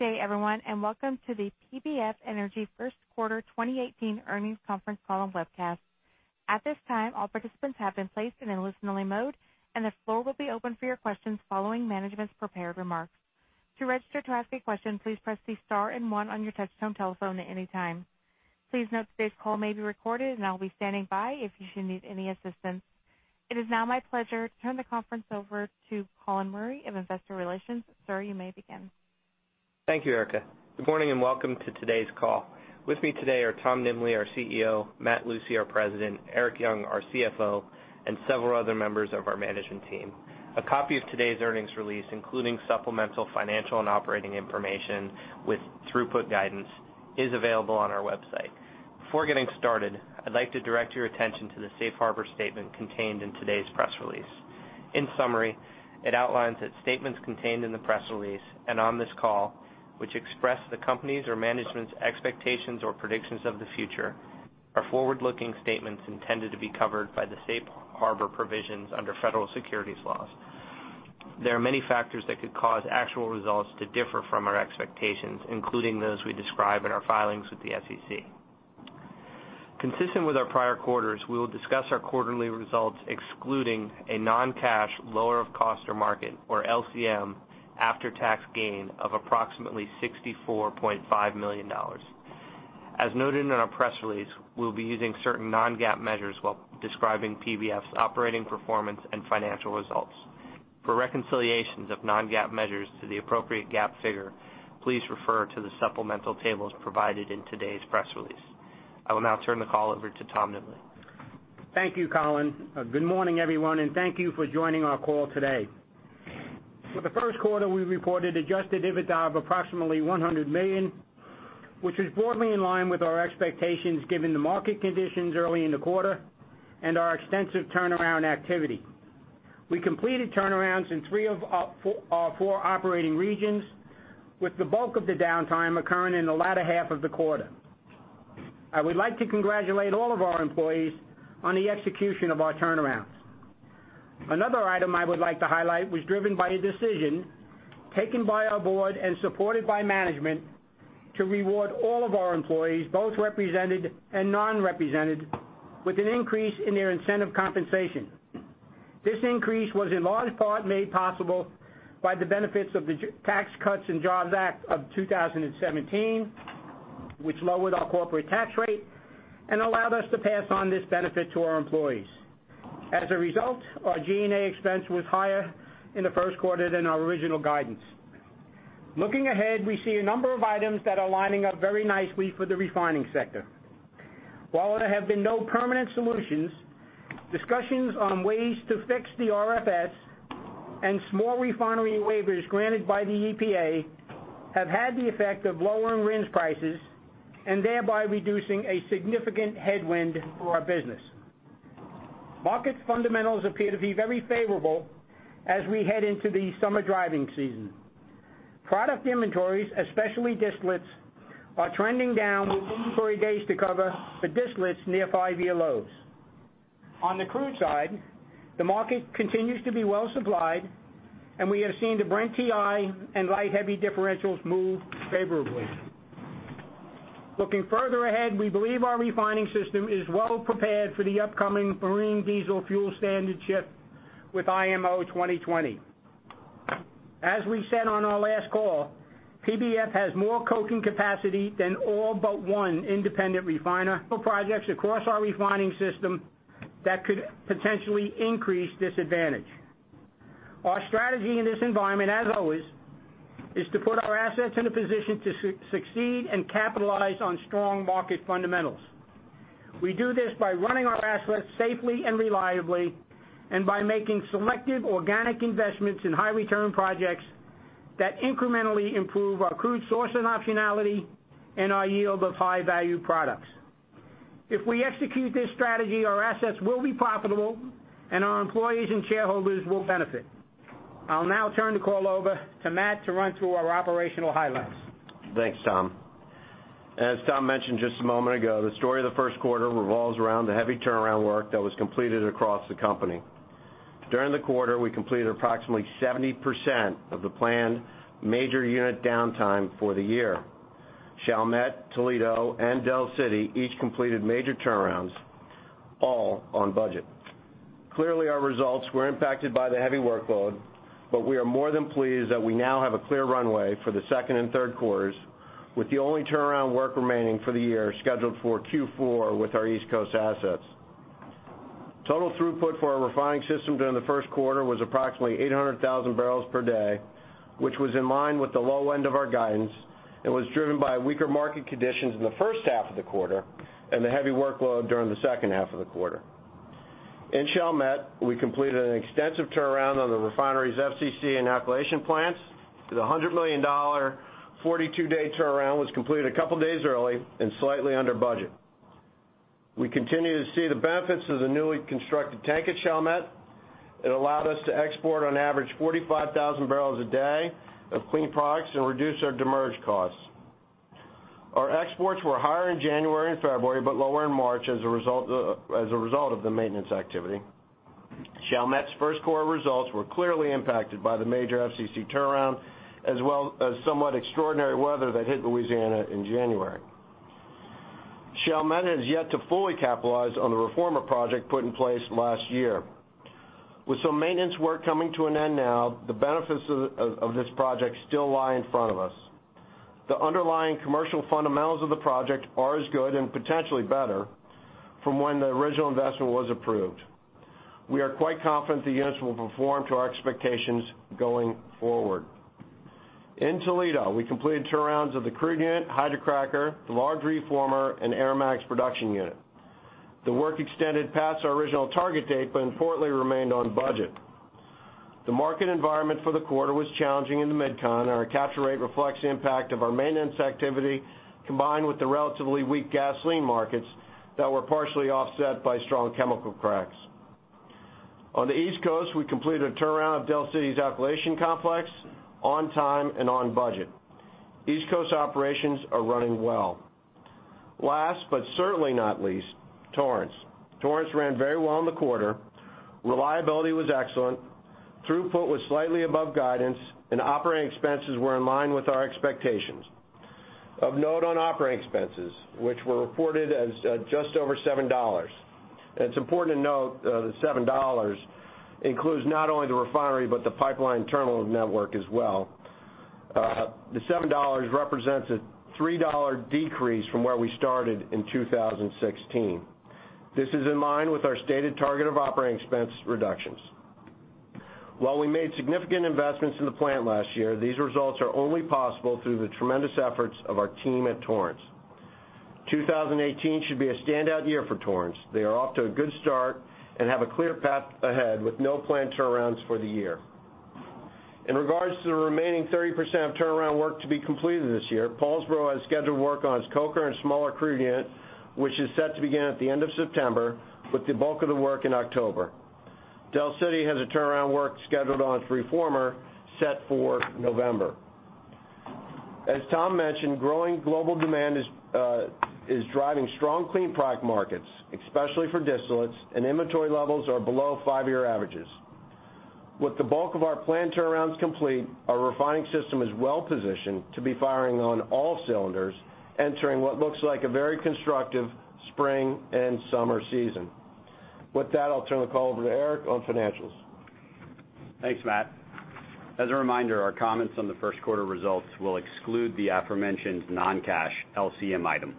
Good day everyone, and welcome to the PBF Energy first quarter 2018 earnings conference call and webcast. At this time, all participants have been placed in a listening mode, and the floor will be open for your questions following management's prepared remarks. To register to ask a question, please press the star and one on your touchtone telephone at any time. Please note today's call may be recorded, and I will be standing by if you should need any assistance. It is now my pleasure to turn the conference over to Colin Murray of Investor Relations. Sir, you may begin. Thank you, Erica. Good morning and welcome to today's call. With me today are Tom Nimbley, our CEO, Matt Lucey, our President, Erik Young, our CFO, and several other members of our management team. A copy of today's earnings release, including supplemental financial and operating information with throughput guidance, is available on our website. Before getting started, I would like to direct your attention to the Safe Harbor statement contained in today's press release. In summary, it outlines that statements contained in the press release and on this call, which express the company's or management's expectations or predictions of the future, are forward-looking statements intended to be covered by the Safe Harbor provisions under federal securities laws. There are many factors that could cause actual results to differ from our expectations, including those we describe in our filings with the SEC. Consistent with our prior quarters, we will discuss our quarterly results excluding a non-cash lower of cost or market, or LCM, after-tax gain of approximately $64.5 million. As noted in our press release, we will be using certain non-GAAP measures while describing PBF's operating performance and financial results. For reconciliations of non-GAAP measures to the appropriate GAAP figure, please refer to the supplemental tables provided in today's press release. I will now turn the call over to Tom Nimbley. Thank you, Colin. Good morning, everyone, and thank you for joining our call today. For the first quarter, we reported adjusted EBITDA of approximately $100 million, which was broadly in line with our expectations given the market conditions early in the quarter and our extensive turnaround activity. We completed turnarounds in three of our four operating regions, with the bulk of the downtime occurring in the latter half of the quarter. I would like to congratulate all of our employees on the execution of our turnarounds. Another item I would like to highlight was driven by a decision taken by our board and supported by management to reward all of our employees, both represented and non-represented, with an increase in their incentive compensation. This increase was in large part made possible by the benefits of the Tax Cuts and Jobs Act of 2017, which lowered our corporate tax rate and allowed us to pass on this benefit to our employees. As a result, our G&A expense was higher in the first quarter than our original guidance. Looking ahead, we see a number of items that are lining up very nicely for the refining sector. While there have been no permanent solutions, discussions on ways to fix the RFS and small refinery waivers granted by the EPA have had the effect of lowering RINs prices and thereby reducing a significant headwind for our business. Market fundamentals appear to be very favorable as we head into the summer driving season. Product inventories, especially distillates, are trending down with inventory days to cover for distillates near five-year lows. On the crude side, the market continues to be well supplied. We have seen the Brent-WTI and light heavy differentials move favorably. Looking further ahead, we believe our refining system is well prepared for the upcoming marine diesel fuel standard ship with IMO 2020. As we said on our last call, PBF has more coking capacity than all but one independent refiner for projects across our refining system that could potentially increase this advantage. Our strategy in this environment, as always, is to put our assets in a position to succeed and capitalize on strong market fundamentals. We do this by running our assets safely and reliably and by making selective organic investments in high-return projects that incrementally improve our crude source and optionality and our yield of high-value products. If we execute this strategy, our assets will be profitable and our employees and shareholders will benefit. I'll now turn the call over to Matt to run through our operational highlights. Thanks, Tom. As Tom mentioned just a moment ago, the story of the first quarter revolves around the heavy turnaround work that was completed across the company. During the quarter, we completed approximately 70% of the planned major unit downtime for the year. Chalmette, Toledo, and Delaware City each completed major turnarounds, all on budget. Clearly, our results were impacted by the heavy workload. We are more than pleased that we now have a clear runway for the second and third quarters, with the only turnaround work remaining for the year scheduled for Q4 with our East Coast assets. Total throughput for our refining system during the first quarter was approximately 800,000 barrels per day, which was in line with the low end of our guidance and was driven by weaker market conditions in the first half of the quarter and the heavy workload during the second half of the quarter. In Chalmette, we completed an extensive turnaround on the refinery's FCC and alkylation plants. The $100 million 42-day turnaround was completed a couple of days early and slightly under budget. We continue to see the benefits of the newly constructed tank at Chalmette. It allowed us to export on average 45,000 barrels a day of clean products and reduce our demurrage costs. Exports were higher in January and February, lower in March as a result of the maintenance activity. Chalmette's first quarter results were clearly impacted by the major FCC turnaround, as well as somewhat extraordinary weather that hit Louisiana in January. Chalmette has yet to fully capitalize on the reformer project put in place last year. With some maintenance work coming to an end now, the benefits of this project still lie in front of us. The underlying commercial fundamentals of the project are as good, and potentially better, from when the original investment was approved. We are quite confident the units will perform to our expectations going forward. In Toledo, we completed turnarounds of the crude unit, hydrocracker, the large reformer, and Aromax production unit. The work extended past our original target date, importantly remained on budget. The market environment for the quarter was challenging in the mid-con, our capture rate reflects the impact of our maintenance activity, combined with the relatively weak gasoline markets that were partially offset by strong chemical cracks. On the East Coast, we completed a turnaround of Del City's alkylation complex on time and on budget. East Coast operations are running well. Last, certainly not least, Torrance. Torrance ran very well in the quarter. Reliability was excellent, throughput was slightly above guidance, and operating expenses were in line with our expectations. Of note on operating expenses, which were reported as just over $7. It's important to note the $7 includes not only the refinery, but the pipeline terminal network as well. The $7 represents a $3 decrease from where we started in 2016. This is in line with our stated target of operating expense reductions. While we made significant investments in the plant last year, these results are only possible through the tremendous efforts of our team at Torrance. 2018 should be a standout year for Torrance. They are off to a good start and have a clear path ahead with no planned turnarounds for the year. In regards to the remaining 30% of turnaround work to be completed this year, Paulsboro has scheduled work on its coker and smaller crude unit, which is set to begin at the end of September with the bulk of the work in October. Del City has a turnaround work scheduled on its reformer set for November. As Tom mentioned, growing global demand is driving strong clean product markets, especially for distillates, inventory levels are below five-year averages. With the bulk of our planned turnarounds complete, our refining system is well-positioned to be firing on all cylinders, entering what looks like a very constructive spring and summer season. With that, I'll turn the call over to Erik on financials. Thanks, Matt. As a reminder, our comments on the first quarter results will exclude the aforementioned non-cash LCM item.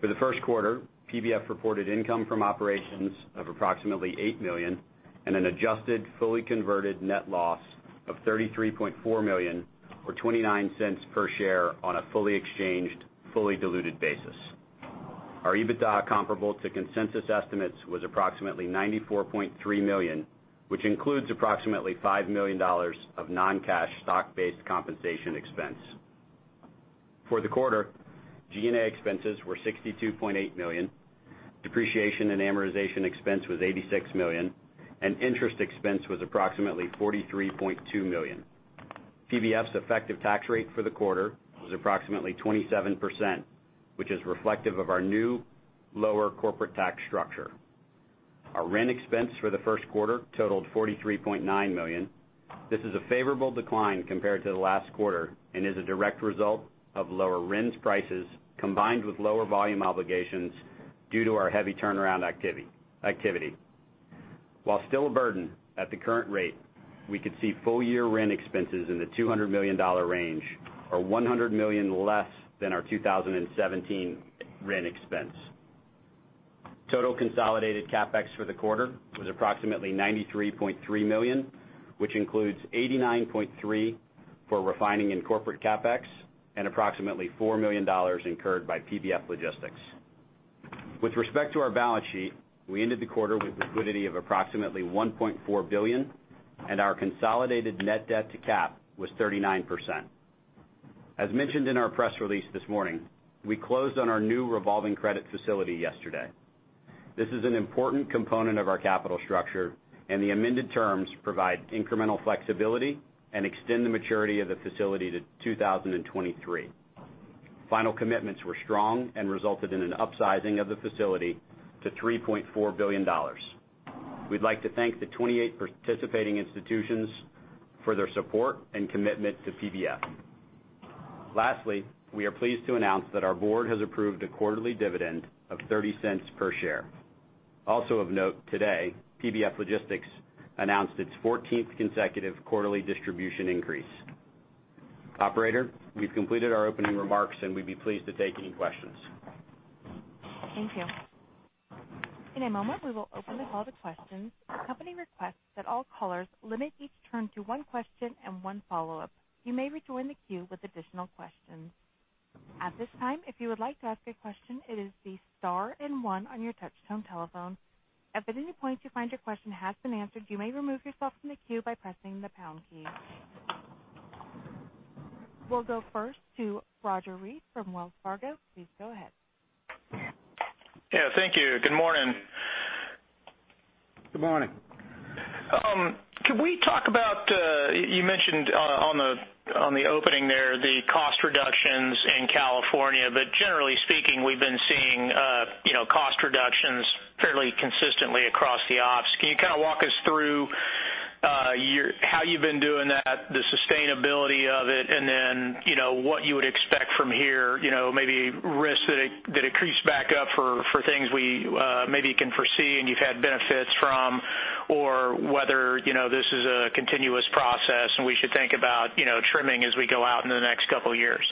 For the first quarter, PBF reported income from operations of approximately $8 million and an adjusted fully converted net loss of $33.4 million or $0.29 per share on a fully exchanged, fully diluted basis. Our EBITDA comparable to consensus estimates was approximately $94.3 million, which includes approximately $5 million of non-cash stock-based compensation expense. For the quarter, G&A expenses were $62.8 million, depreciation and amortization expense was $86 million, and interest expense was approximately $43.2 million. PBF's effective tax rate for the quarter was approximately 27%, which is reflective of our new lower corporate tax structure. Our RIN expense for the first quarter totaled $43.9 million. This is a favorable decline compared to the last quarter and is a direct result of lower RIN prices combined with lower volume obligations due to our heavy turnaround activity. While still a burden at the current rate, we could see full-year RIN expenses in the $200 million range or $100 million less than our 2017 RIN expense. Total consolidated CapEx for the quarter was approximately $93.3 million, which includes $89.3 million for refining and corporate CapEx and approximately $4 million incurred by PBF Logistics. With respect to our balance sheet, we ended the quarter with liquidity of approximately $1.4 billion, and our consolidated net debt to cap was 39%. As mentioned in our press release this morning, we closed on our new revolving credit facility yesterday. This is an important component of our capital structure, and the amended terms provide incremental flexibility and extend the maturity of the facility to 2023. Final commitments were strong and resulted in an upsizing of the facility to $3.4 billion. We'd like to thank the 28 participating institutions for their support and commitment to PBF. Lastly, we are pleased to announce that our board has approved a quarterly dividend of $0.30 per share. Also of note today, PBF Logistics announced its 14th consecutive quarterly distribution increase. Operator, we've completed our opening remarks, and we'd be pleased to take any questions. Thank you. In a moment, we will open the call to questions. The company requests that all callers limit each turn to one question and one follow-up. You may rejoin the queue with additional questions. At this time, if you would like to ask a question, it is the star and one on your touchtone telephone. If at any point you find your question has been answered, you may remove yourself from the queue by pressing the pound key. We'll go first to Roger Read from Wells Fargo. Please go ahead. Yeah. Thank you. Good morning. Good morning. Could we talk about, you mentioned on the opening there, the cost reductions in California, but generally speaking, we've been seeing cost reductions fairly consistently across the ops. Can you walk us through how you've been doing that, the sustainability of it, and then what you would expect from here, maybe risks that increase back up for things we maybe can foresee and you've had benefits from, or whether this is a continuous process and we should think about trimming as we go out into the next couple of years?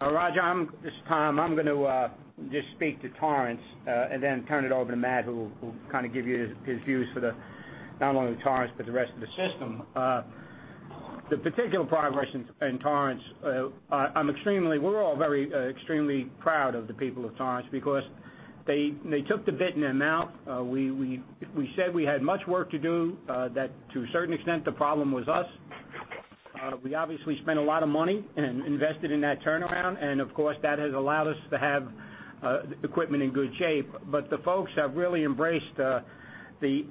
Roger, this is Tom. I'm going to just speak to Torrance, and then turn it over to Matt, who will give you his views for not only Torrance, but the rest of the system. The particular progress in Torrance, we're all very extremely proud of the people of Torrance because they took the bit in their mouth. We said we had much work to do, that to a certain extent, the problem was us. We obviously spent a lot of money and invested in that turnaround, and of course, that has allowed us to have equipment in good shape. The folks have really embraced the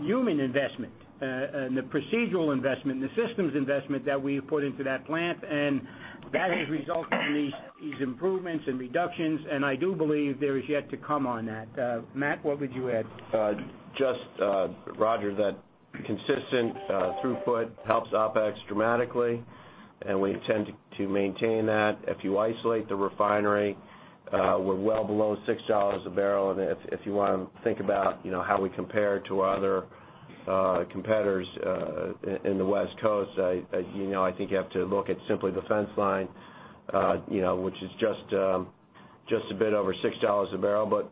human investment and the procedural investment and the systems investment that we have put into that plant, and that has resulted in these improvements and reductions, and I do believe there is yet to come on that. Matt, what would you add? Just, Roger, that consistent throughput helps OpEx dramatically, and we intend to maintain that. If you isolate the refinery, we're well below $6 a barrel, and if you want to think about how we compare to our other competitors in the West Coast, I think you have to look at simply the fence line, which is just a bit over $6 a barrel.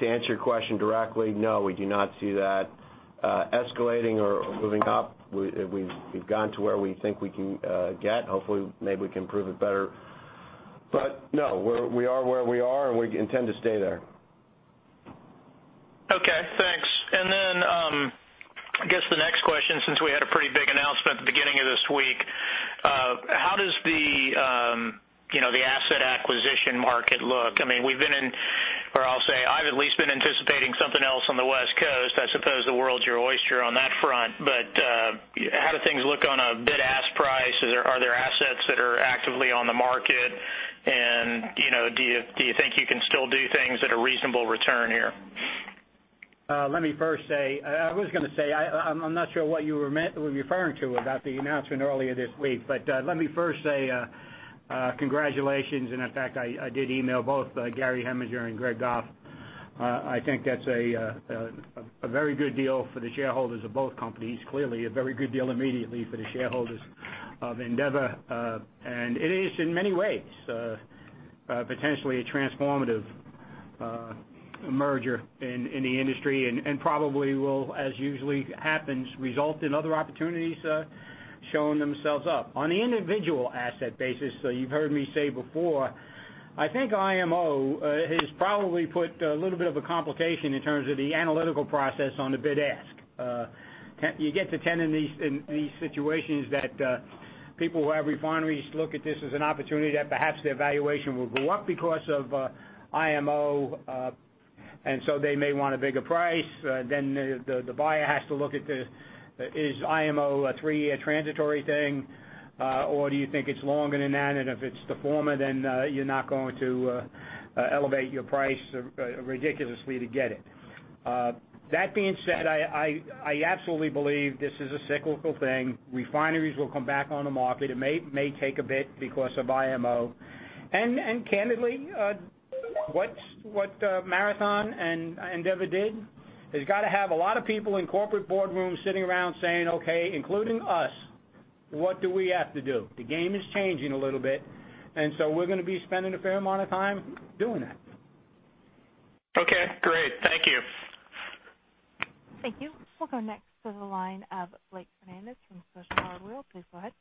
To answer your question directly, no, we do not see that escalating or moving up. We've gotten to where we think we can get. Hopefully, maybe we can prove it better. No, we are where we are, and we intend to stay there. Okay, thanks. Then, I guess the next question, since we had a pretty big announcement at the beginning of this week, how does the asset acquisition market look? We've been in, or I'll say I've at least been anticipating something else on the West Coast. I suppose the world's your oyster on that front. How do things look on a bid-ask price? Are there assets that are actively on the market? Do you think you can still do things at a reasonable return here? Let me first say, I was going to say, I'm not sure what you were referring to about the announcement earlier this week. Let me first say congratulations, and in fact, I did email both Gary Heminger and Greg Goff. I think that's a very good deal for the shareholders of both companies. Clearly, a very good deal immediately for the shareholders of Andeavor. It is, in many ways, potentially a transformative merger in the industry and probably will, as usually happens, result in other opportunities showing themselves up. On the individual asset basis, you've heard me say before, I think IMO has probably put a little bit of a complication in terms of the analytical process on the bid-ask. You get the tendency in these situations that people who have refineries look at this as an opportunity that perhaps their valuation will go up because of IMO, and so they may want a bigger price. The buyer has to look at this, is IMO a 3-year transitory thing, or do you think it's longer than that? If it's the former, then you're not going to elevate your price ridiculously to get it. That being said, I absolutely believe this is a cyclical thing. Refineries will come back on the market. It may take a bit because of IMO. Candidly, what Marathon and Andeavor did, has got to have a lot of people in corporate boardrooms sitting around saying, "Okay," including us, "what do we have to do?" The game is changing a little bit, and so we're going to be spending a fair amount of time doing that. Okay, great. Thank you. Thank you. We'll go next to the line of Blake Fernandez from Scotiabank Howard Weil. Please go ahead.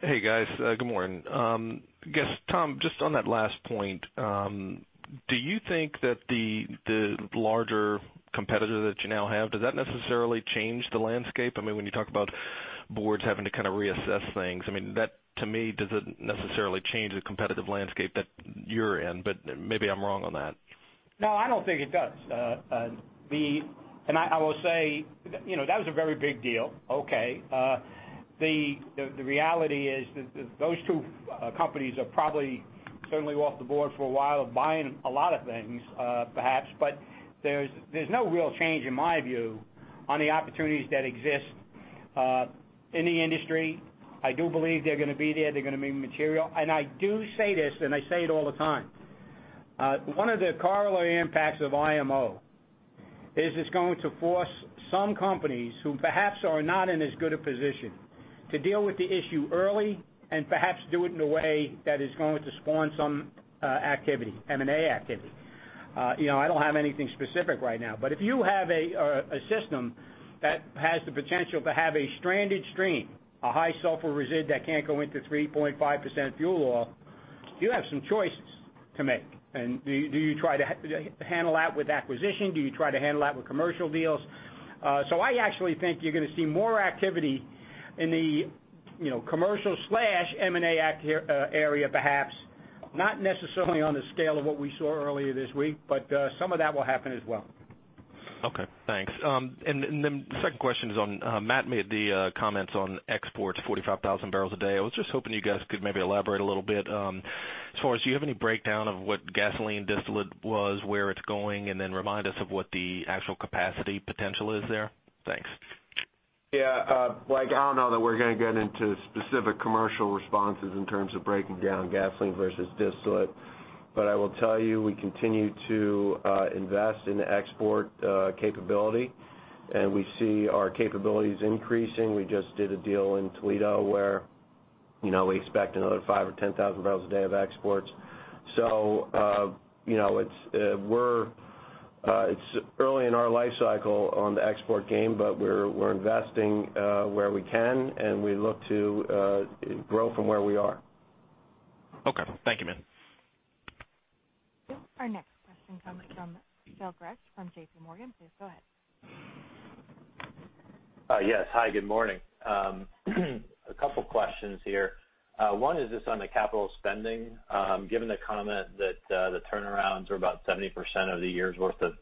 Hey, guys. Good morning. I guess, Tom, just on that last point, do you think that the larger competitor that you now have, does that necessarily change the landscape? When you talk about boards having to reassess things, that to me, doesn't necessarily change the competitive landscape that you're in, but maybe I'm wrong on that. No, I don't think it does. I will say, that was a very big deal, okay. The reality is that those two companies are probably certainly off the board for a while of buying a lot of things, perhaps. There's no real change in my view on the opportunities that exist in the industry. I do believe they're going to be there, they're going to be material. I do say this, and I say it all the time. One of the corollary impacts of IMO is it's going to force some companies who perhaps are not in as good a position to deal with the issue early and perhaps do it in a way that is going to spawn some activity, M&A activity. I don't have anything specific right now, but if you have a system that has the potential to have a stranded stream, a high sulfur resid that can't go into 3.5% fuel oil, you have some choices to make. Do you try to handle that with acquisition? Do you try to handle that with commercial deals? I actually think you're going to see more activity in the Commercial/M&A area perhaps, not necessarily on the scale of what we saw earlier this week, but some of that will happen as well. Okay, thanks. The second question is on, Matt made the comments on exports 45,000 barrels a day. I was just hoping you guys could maybe elaborate a little bit. As far as, do you have any breakdown of what gasoline distillate was, where it's going, and then remind us of what the actual capacity potential is there? Thanks. Yeah. Blake, I don't know that we're going to get into specific commercial responses in terms of breaking down gasoline versus distillate. I will tell you, we continue to invest in the export capability, and we see our capabilities increasing. We just did a deal in Toledo where we expect another 5,000 or 10,000 barrels a day of exports. It's early in our life cycle on the export game, but we're investing where we can, and we look to grow from where we are. Okay. Thank you, Matt. Our next question comes from Phil Gresh from J.P. Morgan. Please go ahead. Yes. Hi, good morning. A couple questions here. One is just on the capital spending. Given the comment that the turnarounds are about 70% of the year's worth of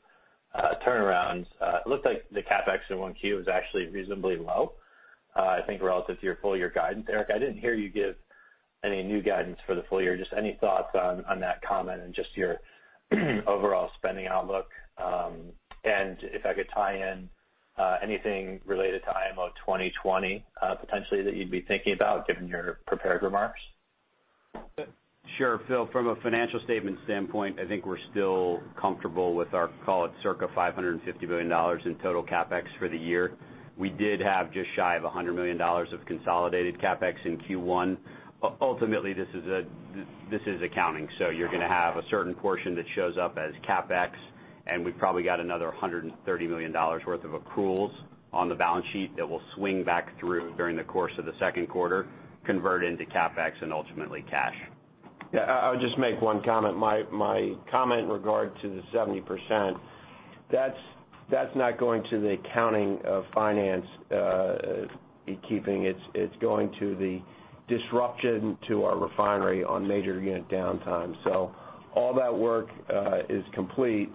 turnarounds, it looked like the CapEx in 1Q was actually reasonably low, I think relative to your full year guidance. Erik, I didn't hear you give any new guidance for the full year. Just any thoughts on that comment and just your overall spending outlook. If I could tie in anything related to IMO 2020, potentially that you'd be thinking about given your prepared remarks? Sure, Phil. From a financial statement standpoint, I think we're still comfortable with our, call it circa $550 million in total CapEx for the year. We did have just shy of $100 million of consolidated CapEx in Q1. Ultimately, this is accounting. You're going to have a certain portion that shows up as CapEx, and we've probably got another $130 million worth of accruals on the balance sheet that will swing back through during the course of the second quarter, convert into CapEx and ultimately cash. Yeah. I would just make one comment. My comment in regard to the 70%, that's not going to the accounting of finance keeping. It's going to the disruption to our refinery on major unit downtime. All that work is complete.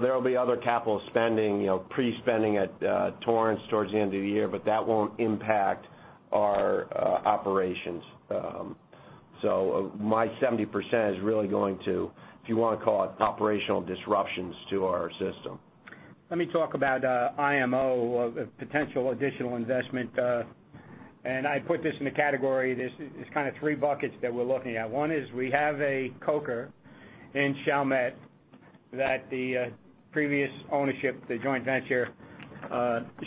There'll be other capital spending, pre-spending at Torrance towards the end of the year, but that won't impact our operations. My 70% is really going to, if you want to call it operational disruptions to our system. Let me talk about IMO, a potential additional investment. I put this in the category, this is kind of three buckets that we're looking at. One is we have a coker in Chalmette that the previous ownership, the joint venture,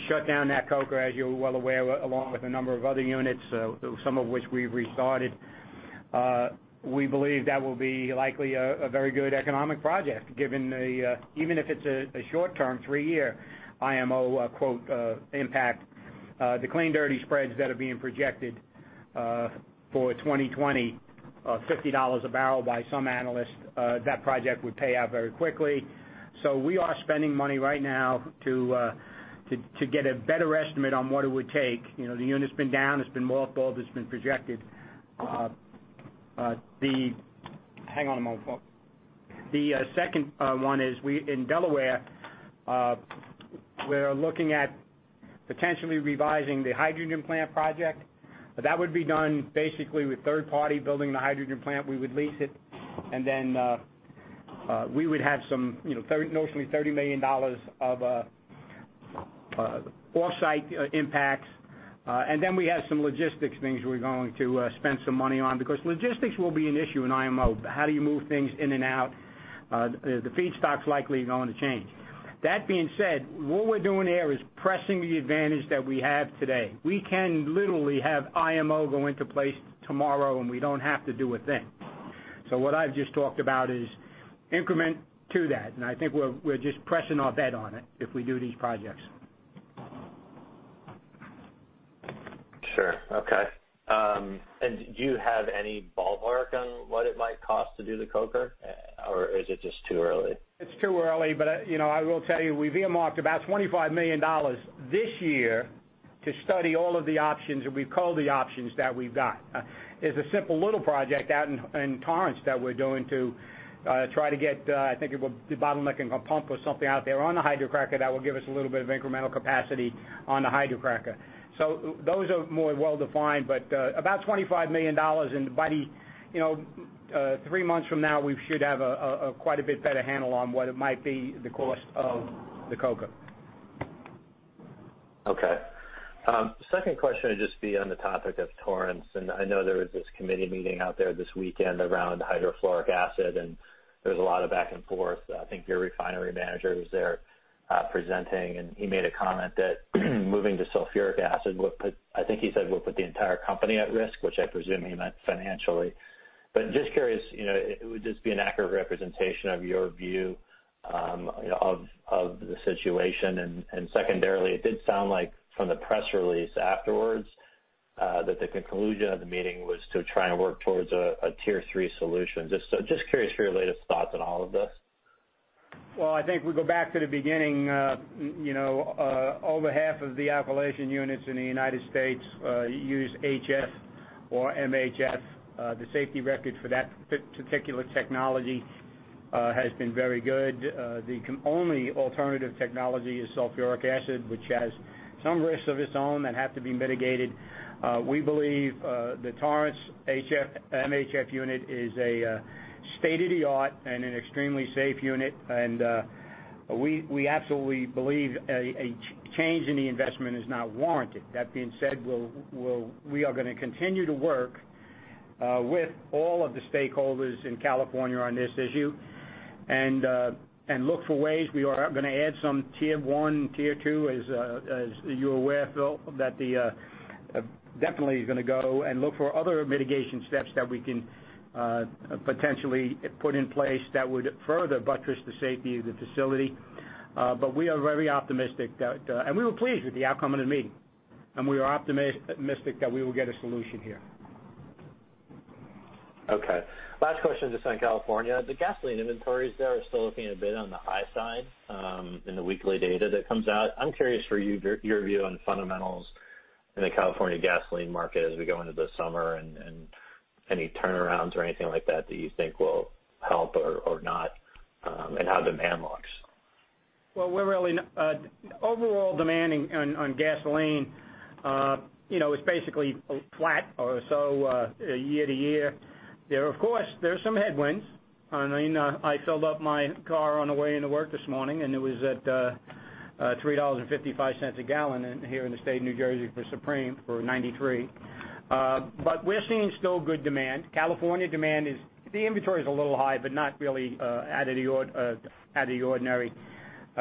shut down that coker, as you're well aware, along with a number of other units, some of which we've restarted. We believe that will be likely a very good economic project given the even if it's a short-term, three-year IMO, quote, "impact." The clean dirty spreads that are being projected for 2020 are $50 a barrel by some analysts. That project would pay out very quickly. We are spending money right now to get a better estimate on what it would take. The unit's been down, it's been mothballed, it's been projected. Hang on a moment, folks. The second one is in Delaware, we're looking at potentially revising the hydrogen plant project. That would be done basically with third party building the hydrogen plant. We would lease it. We would have notionally $30 million of offsite impacts. We have some logistics things we're going to spend some money on because logistics will be an issue in IMO. How do you move things in and out? The feedstock's likely going to change. That being said, what we're doing there is pressing the advantage that we have today. We can literally have IMO go into place tomorrow, and we don't have to do a thing. What I've just talked about is increment to that, and I think we're just pressing our bet on it if we do these projects. Sure. Okay. Do you have any ballpark on what it might cost to do the coker, or is it just too early? It's too early. I will tell you, we've earmarked about $25 million this year to study all of the options that we've culled the options that we've got. There's a simple little project out in Torrance that we're doing to try to get, I think it would be bottlenecking a pump or something out there on the hydrocracker that will give us a little bit of incremental capacity on the hydrocracker. Those are more well-defined, about $25 million, and by three months from now, we should have a quite a bit better handle on what it might be the cost of the coker. Okay. Second question would just be on the topic of Torrance. I know there was this committee meeting out there this weekend around hydrofluoric acid, and there was a lot of back and forth. I think your refinery manager was there presenting, and he made a comment that moving to sulfuric acid, I think he said will put the entire company at risk, which I presume he meant financially. Just curious, would this be an accurate representation of your view of the situation? Secondarily, it did sound like from the press release afterwards, that the conclusion of the meeting was to try and work towards a tier 3 solution. Just curious for your latest thoughts on all of this. Well, I think we go back to the beginning. Over half of the alkylation units in the United States use HF or MHF. The safety record for that particular technology has been very good. The only alternative technology is sulfuric acid, which has some risks of its own that have to be mitigated. We believe the Torrance MHF unit is state-of-the-art and an extremely safe unit, and we absolutely believe a change in the investment is not warranted. That being said, we are going to continue to work with all of the stakeholders in California on this issue and look for ways. We are going to add some tier 1, tier 2, as you're aware, Phil. Definitely going to go and look for other mitigation steps that we can potentially put in place that would further buttress the safety of the facility. We are very optimistic. We were pleased with the outcome of the meeting, and we are optimistic that we will get a solution here. Okay. Last question, just on California. The gasoline inventories there are still looking a bit on the high side in the weekly data that comes out. I'm curious for your view on fundamentals in the California gasoline market as we go into the summer and any turnarounds or anything like that you think will help or not, and how demand looks. Overall demand on gasoline is basically flat or so year-to-year. Of course, there's some headwinds. I filled up my car on the way into work this morning, and it was at $3.55 a gallon here in the state of New Jersey for supreme, for 93. We're seeing still good demand. California demand, the inventory is a little high, but not really out of the ordinary.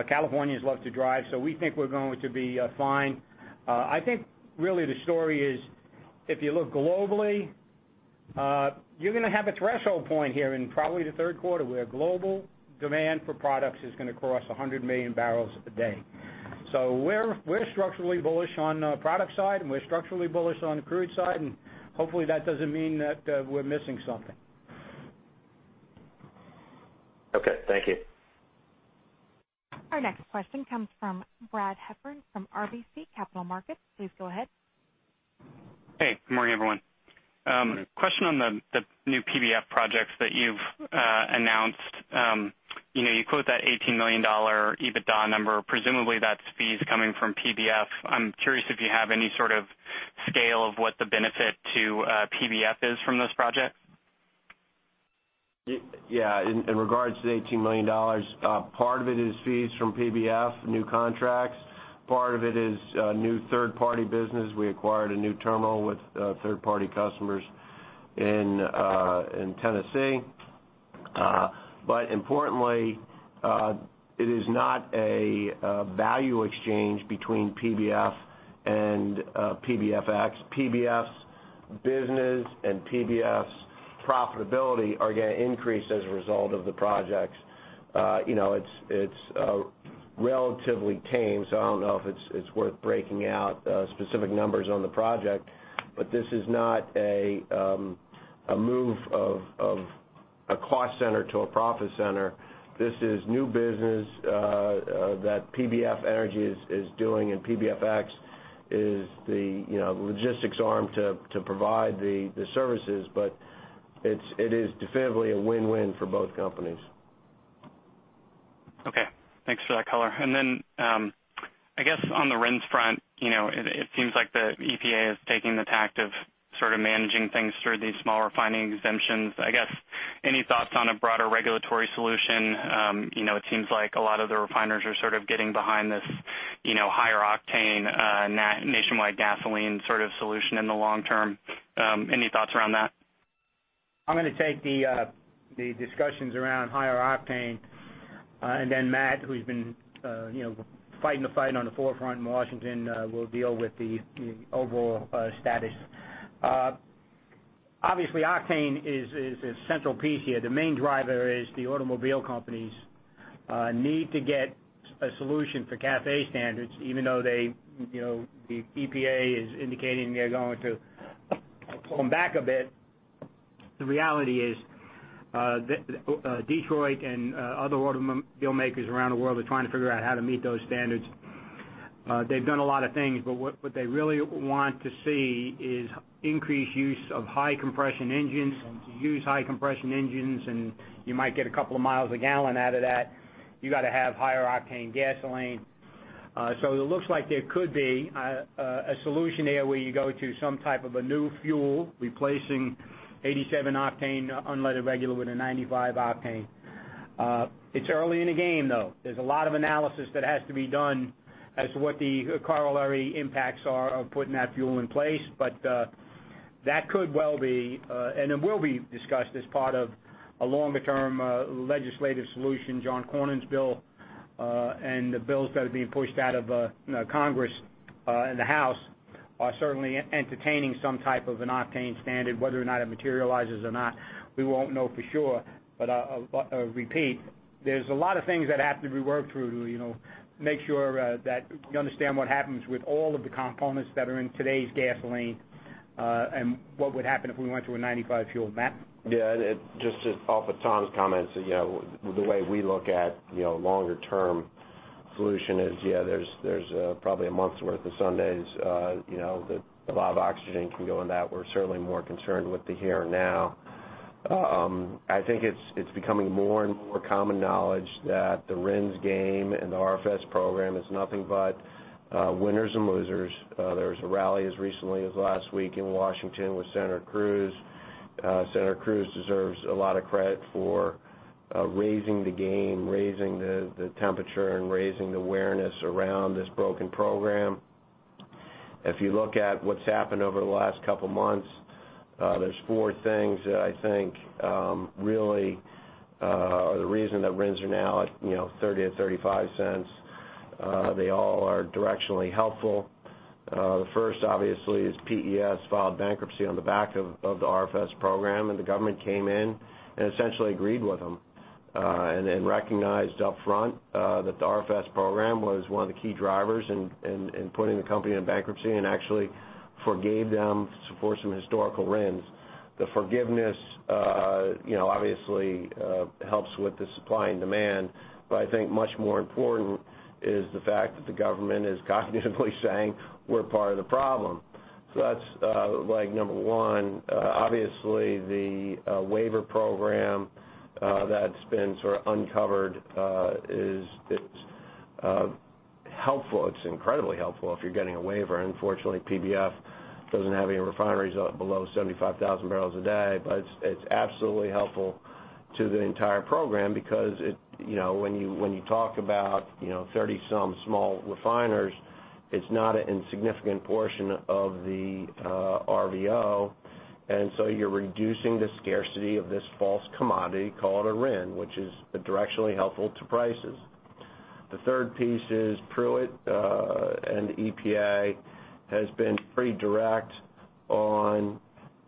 Californians love to drive, we think we're going to be fine. I think really the story is if you look globally, you're going to have a threshold point here in probably the third quarter, where global demand for products is going to cross 100 million barrels a day. We're structurally bullish on the product side, and we're structurally bullish on the crude side, and hopefully that doesn't mean that we're missing something. Okay. Thank you. Our next question comes from Brad Heffern from RBC Capital Markets. Please go ahead. Hey, good morning, everyone. Good morning. Question on the new PBF projects that you've announced. You quote that $18 million EBITDA number, presumably that's fees coming from PBF. I'm curious if you have any sort of scale of what the benefit to PBF is from this project. Yeah. In regards to the $18 million, part of it is fees from PBF, new contracts. Part of it is new third-party business. We acquired a new terminal with third-party customers in Tennessee. Importantly, it is not a value exchange between PBF and PBFX. PBF's business and PBF's profitability are going to increase as a result of the projects. It's relatively tame, so I don't know if it's worth breaking out specific numbers on the project. This is not a move of a cost center to a profit center. This is new business that PBF Energy is doing, and PBFX is the logistics arm to provide the services. It is definitively a win-win for both companies. Okay. Thanks for that color. I guess on the RINs front, it seems like the EPA is taking the tack of sort of managing things through these small refining exemptions. I guess, any thoughts on a broader regulatory solution? It seems like a lot of the refiners are sort of getting behind this higher octane, nationwide gasoline sort of solution in the long term. Any thoughts around that? I'm going to take the discussions around higher octane. Matt Lucey, who's been fighting the fight on the forefront in Washington, will deal with the overall status. Obviously, octane is a central piece here. The main driver is the automobile companies need to get a solution for CAFE standards, even though the EPA is indicating they're going to pull them back a bit. The reality is that Detroit and other automobile makers around the world are trying to figure out how to meet those standards. They've done a lot of things, but what they really want to see is increased use of high compression engines. To use high compression engines, and you might get a couple of miles a gallon out of that, you got to have higher octane gasoline. It looks like there could be a solution there where you go to some type of a new fuel replacing 87 octane unleaded regular with a 95 octane. It's early in the game, though. There's a lot of analysis that has to be done as to what the corollary impacts are of putting that fuel in place. That could well be, and it will be discussed as part of a longer-term legislative solution. John Cornyn's bill, and the bills that are being pushed out of Congress and the House are certainly entertaining some type of an octane standard. Whether or not it materializes or not, we won't know for sure. I'll repeat, there's a lot of things that have to be worked through to make sure that you understand what happens with all of the components that are in today's gasoline, and what would happen if we went to a 95 fuel. Matt? Just off of Tom's comments, the way we look at longer term Solution is, there's probably a month's worth of Sundays that a lot of oxygen can go in that. We're certainly more concerned with the here and now. I think it's becoming more and more common knowledge that the RINs game and the RFS program is nothing but winners and losers. There was a rally as recently as last week in Washington with Senator Cruz. Senator Cruz deserves a lot of credit for raising the game, raising the temperature, and raising the awareness around this broken program. If you look at what's happened over the last couple of months, there's four things that I think really are the reason that RINs are now at $0.30 or $0.35. They all are directionally helpful. The first, obviously, is PES filed bankruptcy on the back of the RFS program, and the government came in and essentially agreed with them, and recognized upfront that the RFS program was one of the key drivers in putting the company into bankruptcy and actually forgave them for some historical RINs. The forgiveness obviously helps with the supply and demand, but I think much more important is the fact that the government is cognitively saying, "We're part of the problem." That's number one. Obviously, the waiver program that's been sort of uncovered is helpful. It's incredibly helpful if you're getting a waiver. Unfortunately, PBF doesn't have any refineries below 75,000 barrels a day. It's absolutely helpful to the entire program because when you talk about 30-some small refiners, it's not an insignificant portion of the RVO, you're reducing the scarcity of this false commodity called a RIN, which is directionally helpful to prices. The third piece is Pruitt, EPA has been pretty direct on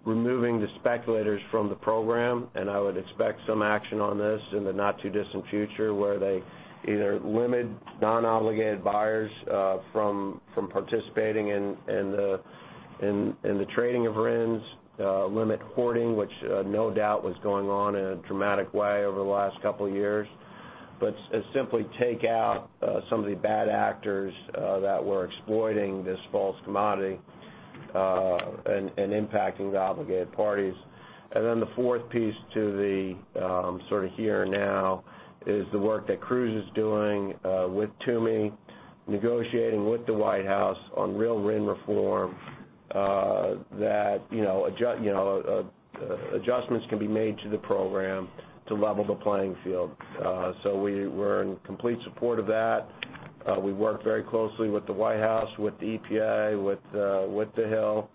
removing the speculators from the program, and I would expect some action on this in the not-too-distant future, where they either limit non-obligated buyers from participating in the trading of RINs, limit hoarding, which no doubt was going on in a dramatic way over the last couple of years. Simply take out some of the bad actors that were exploiting this false commodity, and impacting the obligated parties. The fourth piece to the here and now is the work that Cruz is doing with Toomey, negotiating with the White House on real RIN reform, that adjustments can be made to the program to level the playing field. We're in complete support of that. We work very closely with the White House, with the EPA, with the Hill,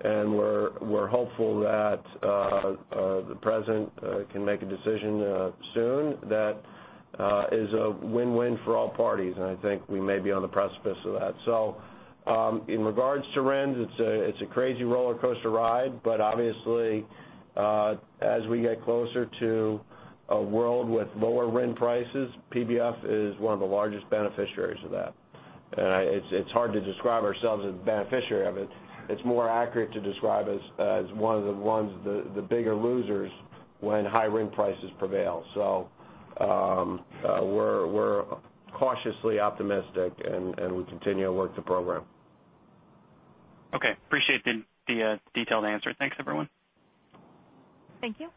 and we're hopeful that the President can make a decision soon that is a win-win for all parties, I think we may be on the precipice of that. In regards to RINs, it's a crazy rollercoaster ride, obviously, as we get closer to a world with lower RIN prices, PBF is one of the largest beneficiaries of that. It's hard to describe ourselves as a beneficiary of it. It's more accurate to describe us as one of the bigger losers when high RIN prices prevail. We're cautiously optimistic, and we continue to work the program. Appreciate the detailed answer. Thanks, everyone. Thank you.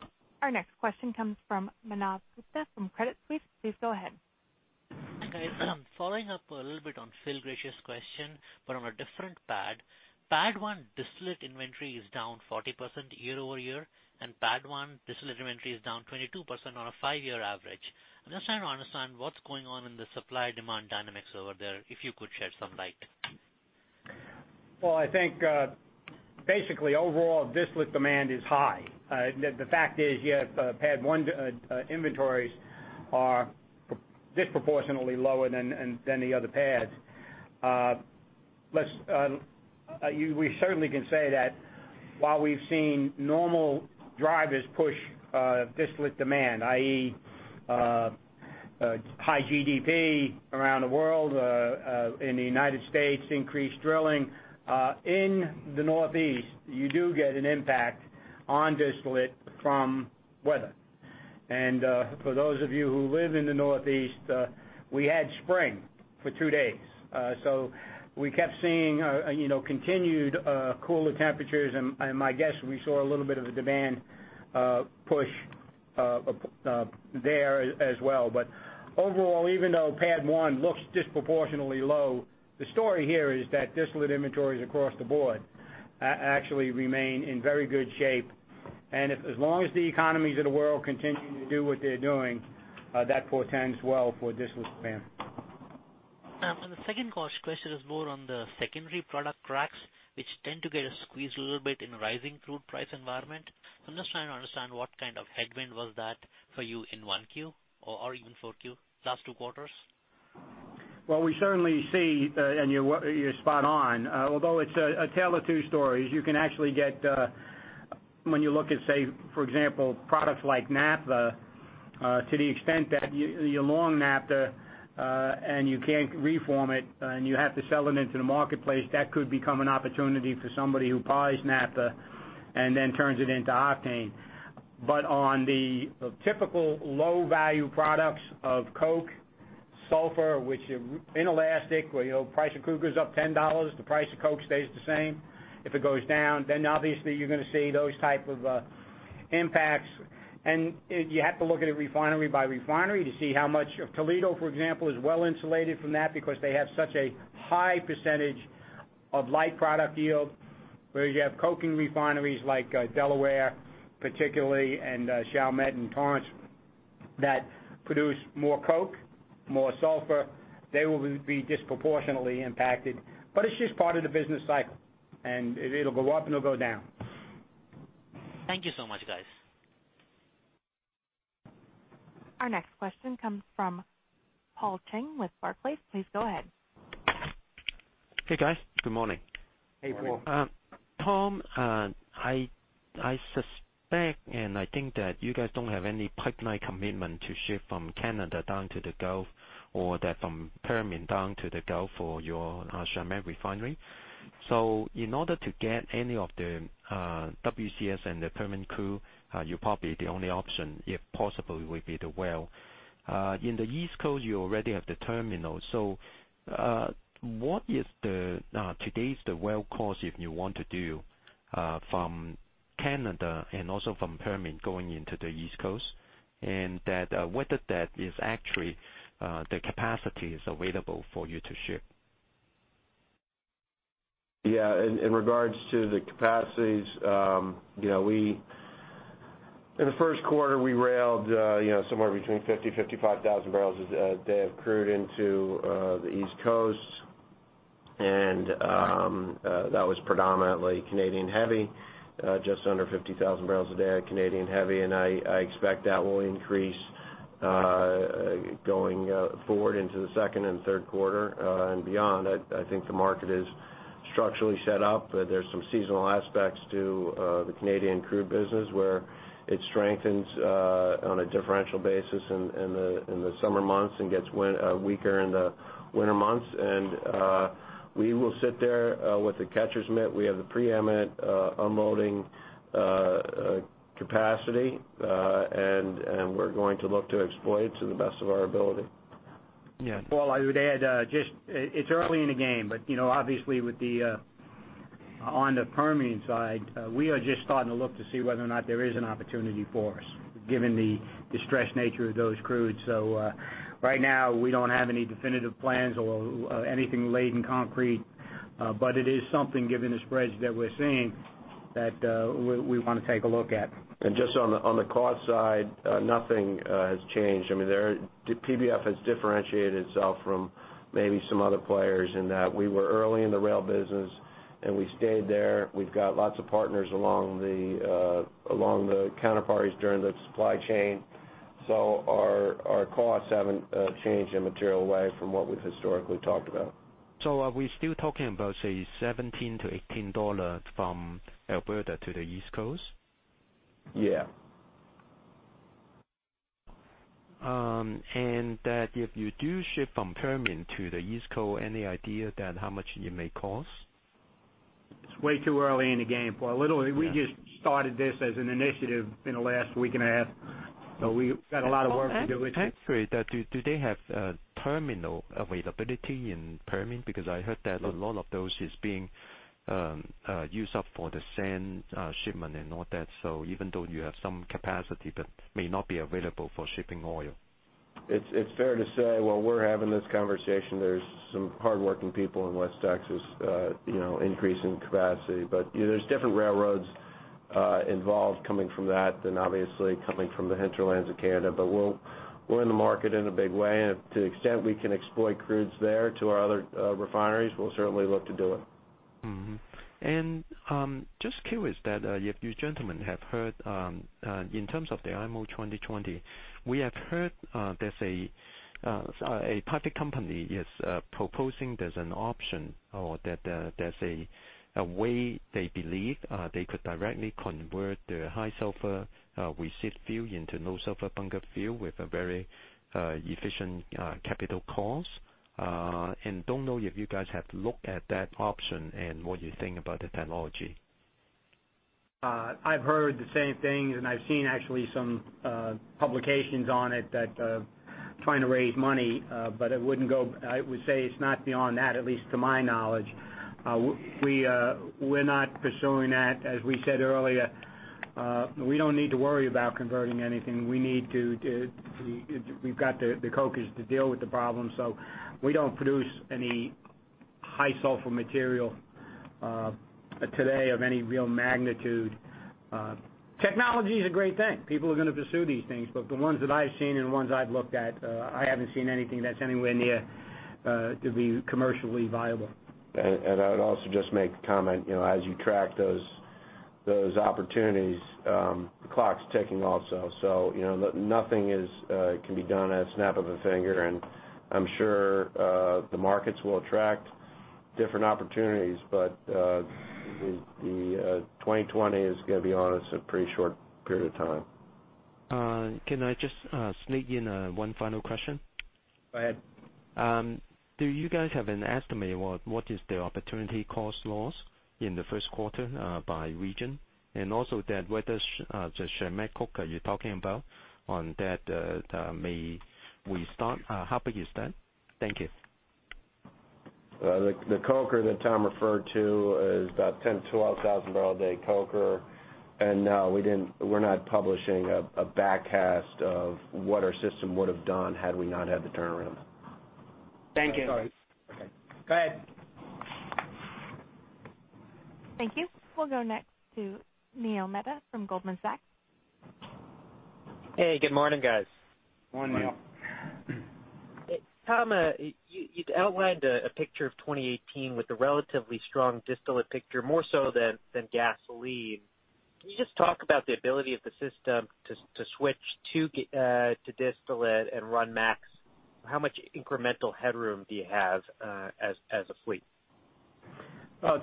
Our next question comes from Manav Gupta from Credit Suisse. Please go ahead. Hi, guys. I'm following up a little bit on Phil Gresh question, but on a different PADD. PADD 1 distillate inventory is down 40% year-over-year, PADD 1 distillate inventory is down 22% on a five-year average. I'm just trying to understand what's going on in the supply-demand dynamics over there, if you could shed some light. Well, I think, basically, overall, distillate demand is high. The fact is you have PADD 1 inventories are disproportionately lower than the other PADDs. We certainly can say that while we've seen normal drivers push distillate demand, i.e., high GDP around the world, in the United States, increased drilling. In the Northeast, you do get an impact on distillate from weather. For those of you who live in the Northeast, we had spring for two days. We kept seeing continued cooler temperatures, and my guess, we saw a little bit of a demand push there as well. Overall, even though PADD 1 looks disproportionately low, the story here is that distillate inventories across the board actually remain in very good shape. As long as the economies of the world continue to do what they're doing, that portends well for distillate demand. The second question is more on the secondary product cracks, which tend to get squeezed a little bit in a rising crude price environment. I'm just trying to understand what kind of headwind was that for you in 1Q or even 4Q, last two quarters? Well, we certainly see, and you're spot on. It's a tale of two stories. You can actually get, when you look at, say, for example, products like Naphtha, to the extent that you long Naphtha, and you can't reform it, and you have to sell them into the marketplace, that could become an opportunity for somebody who buys Naphtha and then turns it into octane. On the typical low-value products of coke, sulfur, which are inelastic, where the price of crude goes up $10, the price of coke stays the same. If it goes down, obviously you're going to see those type of impacts. You have to look at it refinery by refinery to see how much. Toledo, for example, is well-insulated from that because they have such a high percentage of light product yield, where you have coking refineries like Delaware, particularly, and Chalmette and Torrance, that produce more coke, more sulfur. They will be disproportionately impacted. It's just part of the business cycle, and it'll go up, and it'll go down. Thank you so much, guys. Our next question comes from Paul Cheng with Barclays. Please go ahead. Hey, guys. Good morning. Hey, Paul. Morning. Tom, I suspect, I think that you guys don't have any pipeline commitment to ship from Canada down to the Gulf, or that from Permian down to the Gulf for your Chalmette refinery. In order to get any of the WCS and the Permian crude, you probably the only option, if possible, will be the rail. In the East Coast, you already have the terminal. What is today is the rail cost if you want to do from Canada and also from Permian going into the East Coast? That whether that is actually the capacity is available for you to ship. Yeah. In regards to the capacities, in the first quarter, we railed somewhere between 50,000, 55,000 barrels a day of crude into the East Coast. That was predominantly Canadian heavy, just under 50,000 barrels a day of Canadian heavy. I expect that will increase going forward into the second and third quarter and beyond. I think the market is structurally set up. There's some seasonal aspects to the Canadian crude business, where it strengthens on a differential basis in the summer months and gets weaker in the winter months. We will sit there with the catcher's mitt. We have the pre-eminent unloading capacity, and we're going to look to exploit to the best of our ability. Paul, I would add, it's early in the game, but obviously on the Permian side, we are just starting to look to see whether or not there is an opportunity for us, given the distressed nature of those crudes. Right now we don't have any definitive plans or anything laid in concrete. It is something, given the spreads that we're seeing, that we want to take a look at. Just on the cost side, nothing has changed. PBF has differentiated itself from maybe some other players in that we were early in the rail business and we stayed there. We've got lots of partners along the counterparties during the supply chain. Our costs haven't changed in a material way from what we've historically talked about. Are we still talking about, say, $17-$18 from Alberta to the East Coast? Yeah. That if you do ship from Permian to the East Coast, any idea that how much it may cost? It's way too early in the game, Paul. Literally, we just started this as an initiative in the last week and a half, so we've got a lot of work to do with it. Actually, do they have terminal availability in Permian? I heard that a lot of those is being used up for the sand shipment and all that. Even though you have some capacity that may not be available for shipping oil. It's fair to say, while we're having this conversation, there's some hardworking people in West Texas increasing capacity. There's different railroads involved coming from that than obviously coming from the hinterlands of Canada. We're in the market in a big way, and to the extent we can exploit crudes there to our other refineries, we'll certainly look to do it. Just curious that if you gentlemen have heard, in terms of the IMO 2020, we have heard there's a private company is proposing there's an option, or that there's a way they believe they could directly convert the high sulfur residual fuel into low sulfur bunker fuel with a very efficient capital cost. Don't know if you guys have looked at that option and what you think about the technology. I've heard the same things, I've seen actually some publications on it that trying to raise money. I would say it's not beyond that, at least to my knowledge. We're not pursuing that. As we said earlier, we don't need to worry about converting anything. We've got the cokers to deal with the problem. We don't produce any high sulfur material today of any real magnitude. Technology's a great thing. People are gonna pursue these things. The ones that I've seen and the ones I've looked at, I haven't seen anything that's anywhere near to be commercially viable. I would also just make a comment. As you track those opportunities, the clock's ticking also. Nothing can be done at a snap of a finger, I'm sure the markets will attract different opportunities. The 2020 is, gonna be honest, a pretty short period of time. Can I just sneak in one final question? Go ahead. Do you guys have an estimate what is the opportunity cost loss in the first quarter by region? Also, whether the Chalmette coker you're talking about on that may restart. How big is that? Thank you. The coker that Tom referred to is about 10 to 12,000 barrel a day coker. No, we're not publishing a back cast of what our system would've done had we not had the turnaround. Thank you. Sorry. Okay. Go ahead. Thank you. We'll go next to Neil Mehta from Goldman Sachs. Hey, good morning, guys. Morning, Neil. Tom, you'd outlined a picture of 2018 with a relatively strong distillate picture, more so than gasoline. Can you just talk about the ability of the system to switch to distillate and run max? How much incremental headroom do you have as a fleet?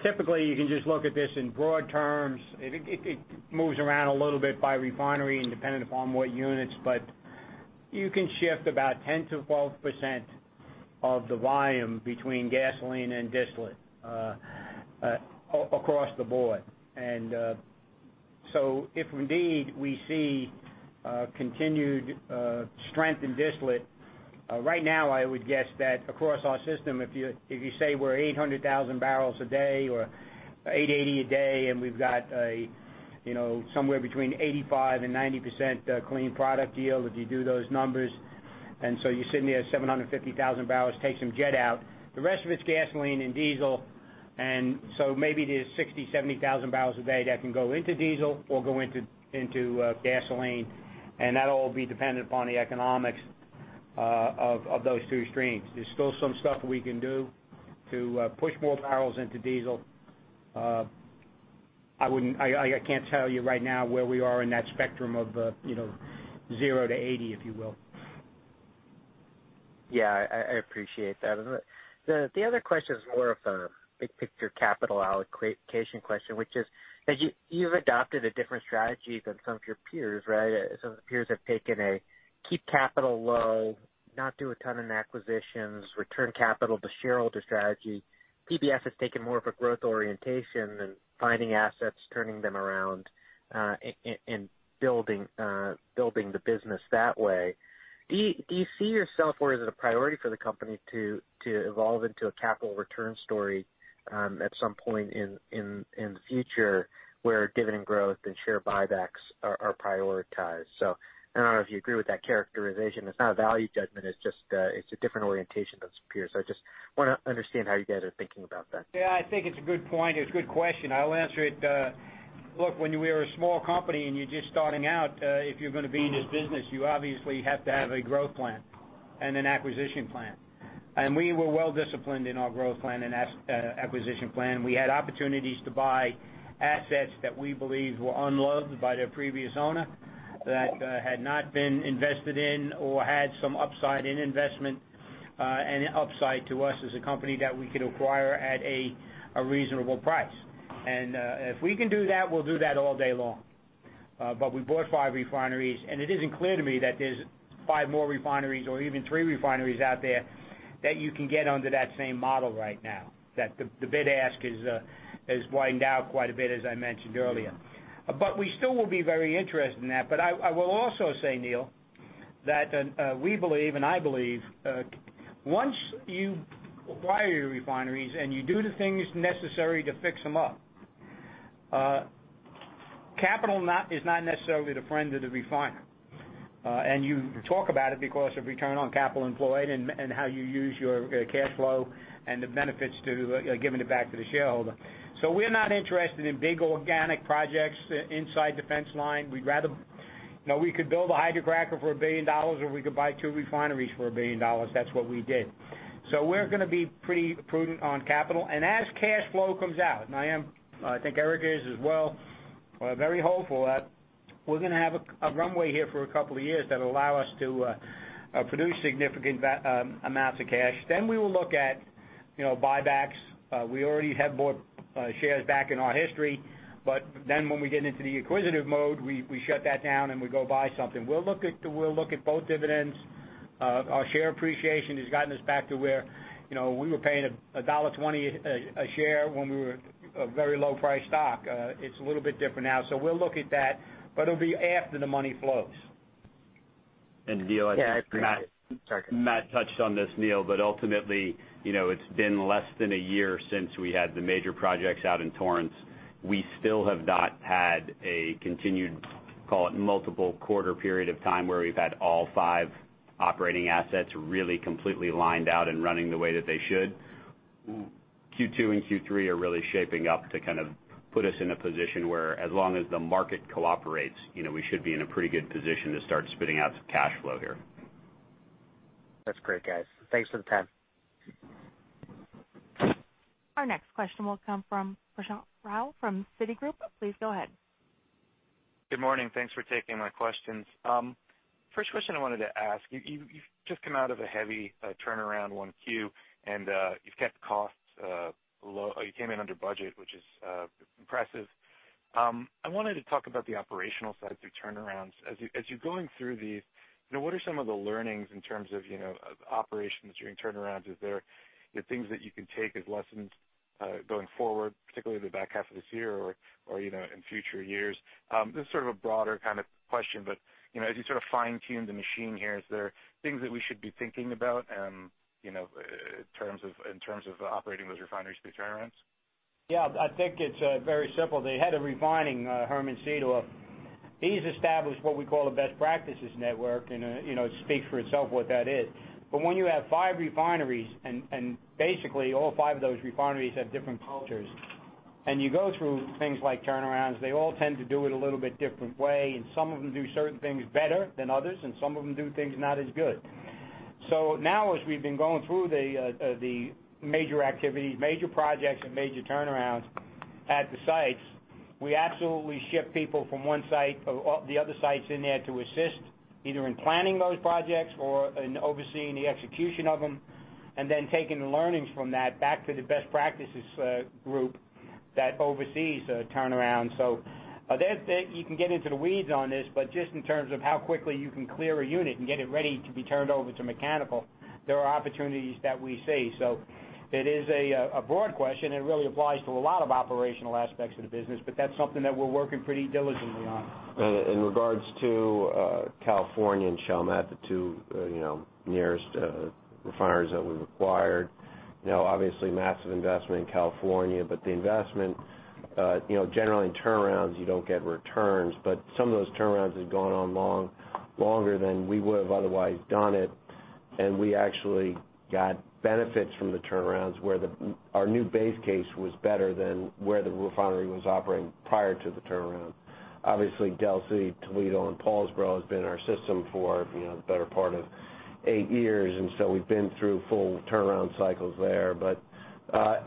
Typically, you can just look at this in broad terms. It moves around a little bit by refinery and dependent upon what units, but you can shift about 10%-12% of the volume between gasoline and distillate, across the board. If indeed we see continued strength in distillate, right now, I would guess that across our system, if you say we're 800,000 barrels a day or 880 a day, and we've got somewhere between 85%-90% clean product yield, if you do those numbers. You're sitting there at 750,000 barrels, take some jet out. The rest of it's gasoline and diesel, and so maybe there's 60,000, 70,000 barrels a day that can go into diesel or go into gasoline. That'll all be dependent upon the economics of those two streams. There's still some stuff we can do to push more barrels into diesel. I can't tell you right now where we are in that spectrum of zero to 80, if you will. Yeah, I appreciate that. The other question is more of a big picture capital allocation question, which is, you've adopted a different strategy than some of your peers, right? Some of the peers have taken a keep capital low, not do a ton in acquisitions, return capital to shareholder strategy. PBF has taken more of a growth orientation and finding assets, turning them around, and building the business that way. Do you see yourself, or is it a priority for the company to evolve into a capital return story at some point in the future where dividend growth and share buybacks are prioritized? I don't know if you agree with that characterization. It's not a value judgment, it's a different orientation than some peers. I just want to understand how you guys are thinking about that. Yeah, I think it's a good point. It's a good question. I'll answer it. Look, when we are a small company and you're just starting out, if you're going to be in this business, you obviously have to have a growth plan and an acquisition plan. We were well-disciplined in our growth plan and acquisition plan. We had opportunities to buy assets that we believed were unloved by their previous owner, that had not been invested in or had some upside in investment, and an upside to us as a company that we could acquire at a reasonable price. If we can do that, we'll do that all day long. We bought five refineries, and it isn't clear to me that there's five more refineries or even three refineries out there that you can get under that same model right now, that the bid ask has widened out quite a bit, as I mentioned earlier. We still will be very interested in that. I will also say, Neil, that we believe, and I believe, once you acquire your refineries and you do the things necessary to fix them up, capital is not necessarily the friend of the refiner. You talk about it because of return on capital employed and how you use your cash flow and the benefits to giving it back to the shareholder. We're not interested in big organic projects inside the fence line. We could build a hydrocracker for $1 billion, or we could buy two refineries for $1 billion. That's what we did. We're going to be pretty prudent on capital. As cash flow comes out, and I am, I think Erik is as well, very hopeful that we're going to have a runway here for a couple of years that'll allow us to produce significant amounts of cash. We will look at buybacks. We already have bought shares back in our history, when we get into the acquisitive mode, we shut that down, we go buy something. We'll look at both dividends. Our share appreciation has gotten us back to where we were paying $1.20 a share when we were a very low-priced stock. It's a little bit different now. We'll look at that, but it'll be after the money flows. Neil, I think. Yeah, I appreciate it. Sorry. Matt touched on this, Neil, ultimately, it's been less than a year since we had the major projects out in Torrance. We still have not had a continued, call it multiple quarter period of time, where we've had all five operating assets really completely lined out and running the way that they should. Q2 and Q3 are really shaping up to put us in a position where as long as the market cooperates, we should be in a pretty good position to start spitting out some cash flow here. That's great, guys. Thanks for the time. Our next question will come from Prashant Rao from Citigroup. Please go ahead. Good morning. Thanks for taking my questions. First question I wanted to ask you. You've just come out of a heavy turnaround, 1Q, you've kept costs low. You came in under budget, which is impressive. I wanted to talk about the operational side through turnarounds. As you're going through these, what are some of the learnings in terms of operations during turnarounds? Is there things that you can take as lessons going forward, particularly the back half of this year or in future years? This is a broader kind of question, but as you fine tune the machine here, is there things that we should be thinking about in terms of operating those refineries through turnarounds? Yeah, I think it's very simple. The head of refining, Herman [Sytoa], he's established what we call a best practices network, and it speaks for itself what that is. But when you have five refineries, and basically all five of those refineries have different cultures, and you go through things like turnarounds, they all tend to do it a little bit different way, and some of them do certain things better than others, and some of them do things not as good. Now as we've been going through the major activities, major projects, and major turnarounds at the sites, we absolutely ship people from one site or the other sites in there to assist either in planning those projects or in overseeing the execution of them, and then taking the learnings from that back to the best practices group that oversees turnarounds. You can get into the weeds on this, but just in terms of how quickly you can clear a unit and get it ready to be turned over to mechanical, there are opportunities that we see. It is a broad question, and it really applies to a lot of operational aspects of the business, but that's something that we're working pretty diligently on. In regards to California and Chalmette, Matt, the two nearest refineries that we've acquired. Obviously massive investment in California, but the investment, generally in turnarounds, you don't get returns, but some of those turnarounds had gone on longer than we would've otherwise done it, and we actually got benefits from the turnarounds where our new base case was better than where the refinery was operating prior to the turnaround. Obviously, Delaware City, Toledo, and Paulsboro has been in our system for the better part of eight years, and so we've been through full turnaround cycles there.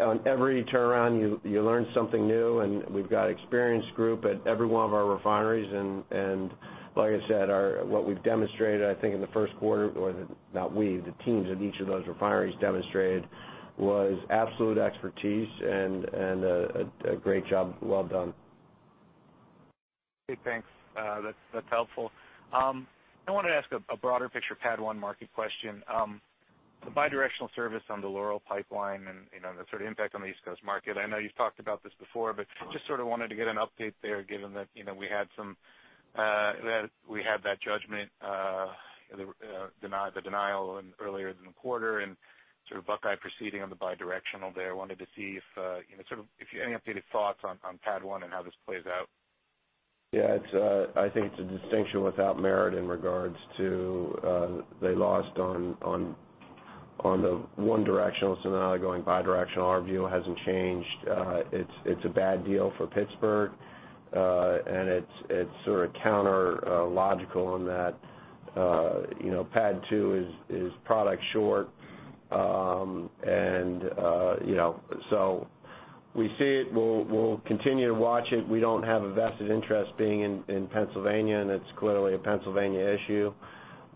On every turnaround, you learn something new, and we've got an experienced group at every one of our refineries. Like I said, what we've demonstrated, I think in the first quarter, the teams at each of those refineries demonstrated, was absolute expertise and a great job well done. Okay, thanks. That's helpful. I wanted to ask a broader picture, PADD 1 market question. The bi-directional service on the Laurel Pipe Line and the impact on the East Coast market. I know you've talked about this before, but just wanted to get an update there, given that we had that judgment, the denial earlier in the quarter, and Buckeye proceeding on the bi-directional there. Wanted to see if you have any updated thoughts on PADD 1 and how this plays out. Yeah. It's, I think, it's a distinction without merit in regards to they lost on the one directional. Now they're going bi-directional. Our view hasn't changed. It's a bad deal for Pittsburgh. It's counter-logical in that PADD 2 is product short. We see it. We'll continue to watch it. We don't have a vested interest being in Pennsylvania, and it's clearly a Pennsylvania issue.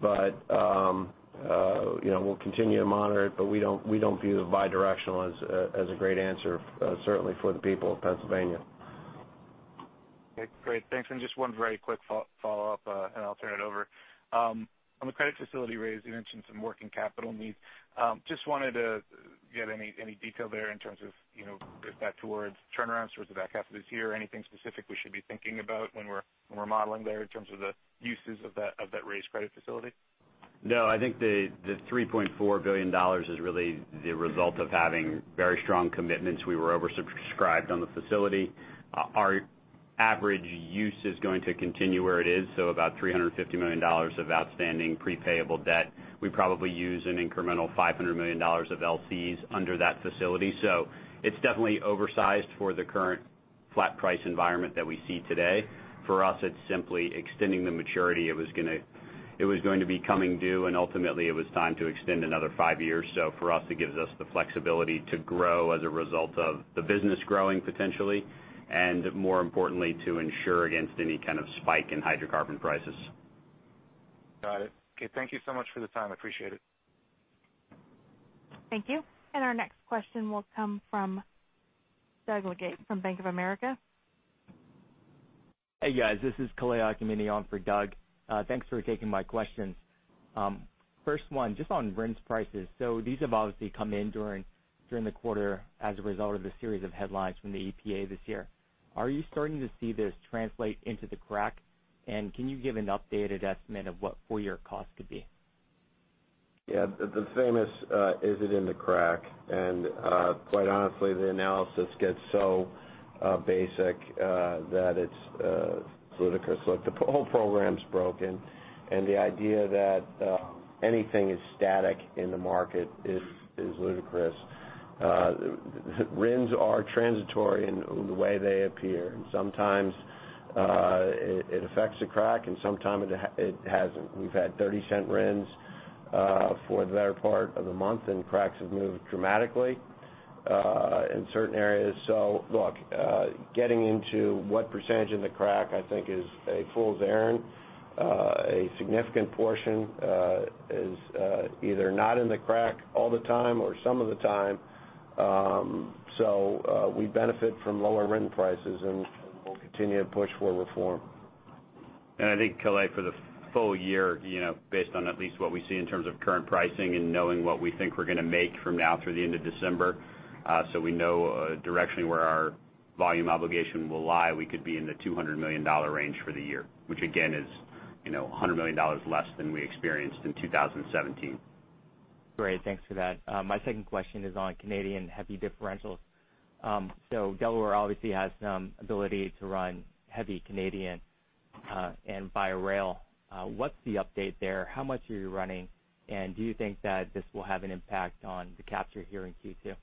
We'll continue to monitor it, but we don't view the bi-directional as a great answer, certainly for the people of Pennsylvania. Okay, great. Thanks. Just one very quick follow-up, and I'll turn it over. On the credit facility raise, you mentioned some working capital needs. Just wanted to get any detail there in terms of is that towards turnarounds towards the back half of this year? Anything specific we should be thinking about when we're modeling there in terms of the uses of that raised credit facility? No, I think the $3.4 billion is really the result of having very strong commitments. We were oversubscribed on the facility. Our average use is going to continue where it is, about $350 million of outstanding pre-payable debt. We probably use an incremental $500 million of LCs under that facility. It's definitely oversized for the current flat price environment that we see today. For us, it's simply extending the maturity. It was going to be coming due, and ultimately it was time to extend another five years. For us, it gives us the flexibility to grow as a result of the business growing potentially, and more importantly, to insure against any kind of spike in hydrocarbon prices. Got it. Okay, thank you so much for the time. Appreciate it. Our next question will come from Doug Leggate from Bank of America. Hey, guys, this is Kalei Akamine on for Doug. Thanks for taking my questions. First one, just on RINs prices. These have obviously come in during the quarter as a result of the series of headlines from the EPA this year. Are you starting to see this translate into the crack? Can you give an updated estimate of what full year cost could be? Yeah. The famous, is it in the crack? Quite honestly, the analysis gets so basic that it's ludicrous. Look, the whole program's broken and the idea that anything is static in the market is ludicrous. RINs are transitory in the way they appear, and sometimes it affects the crack and sometime it hasn't. We've had $0.30 RINs for the better part of the month, and cracks have moved dramatically in certain areas. Look, getting into what percentage in the crack, I think is a fool's errand. A significant portion is either not in the crack all the time or some of the time. We benefit from lower RIN prices, and we'll continue to push for reform. I think, Kalei, for the full year, based on at least what we see in terms of current pricing and knowing what we think we're going to make from now through the end of December, so we know directionally where our volume obligation will lie, we could be in the $200 million range for the year, which again, is $100 million less than we experienced in 2017. Great, thanks for that. My second question is on Canadian heavy differentials. Delaware obviously has some ability to run heavy Canadian and via rail. What's the update there? How much are you running? And do you think that this will have an impact on the capture here in Q2?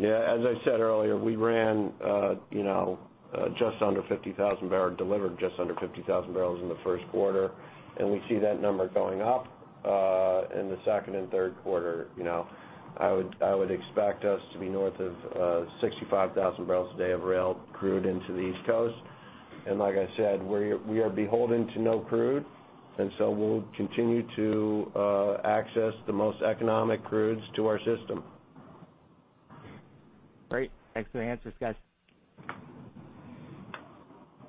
Yeah, as I said earlier, we ran just under 50,000 delivered just under 50,000 barrels in the first quarter, and we see that number going up, in the second and third quarter. I would expect us to be north of 65,000 barrels a day of rail crude into the East Coast. Like I said, we are beholden to no crude, so we'll continue to access the most economic crudes to our system. Great. Thanks for the answers, guys.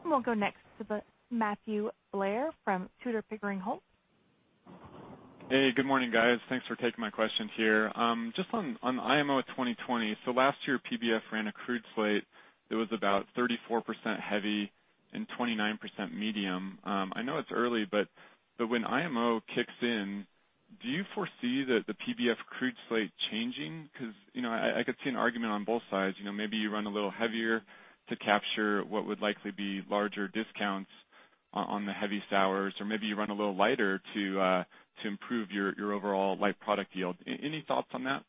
We'll go next to Matthew Blair from Tudor Pickering Holt. Hey, good morning, guys. Thanks for taking my questions here. Just on IMO 2020. Last year, PBF ran a crude slate that was about 34% heavy and 29% medium. I know it's early, but when IMO kicks in, do you foresee the PBF crude slate changing? I could see an argument on both sides. Maybe you run a little heavier to capture what would likely be larger discounts on the heavy sours, or maybe you run a little lighter to improve your overall light product yield. Any thoughts on that?